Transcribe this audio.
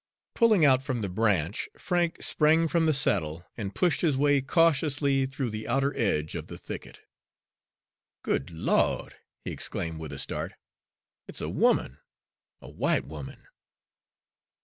Pulling out from the branch, Frank sprang from the saddle and pushed his way cautiously through the outer edge of the thicket. "Good Lawd!" he exclaimed with a start, "it's a woman a w'ite woman!"